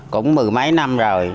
cũng mười mấy năm rồi